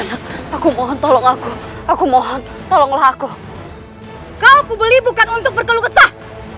aku mohon tolong aku aku mohon tolonglah aku kau aku beli bukan untuk berkeluh kesah